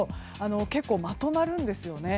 結構まとまるんですよね。